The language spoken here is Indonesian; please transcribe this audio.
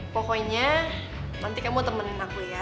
pokoknya nanti kamu temenin aku ya